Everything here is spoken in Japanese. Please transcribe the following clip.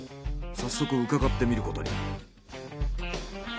早速伺ってみることに。